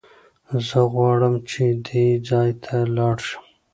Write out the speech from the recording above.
زه غواړم چې دې ځای ته لاړ شم.